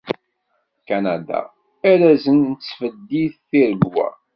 Kanada, arrazen n tesbeddit Tiregwa.